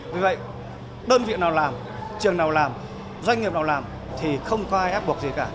vì vậy đơn vị nào làm trường nào làm doanh nghiệp nào làm thì không có ai áp buộc gì cả